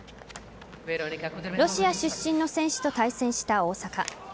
ロシア出身の選手と対戦した大坂。